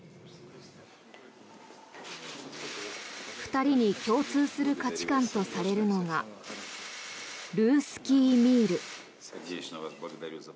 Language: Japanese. ２人に共通する価値観とされるのがルースキー・ミール。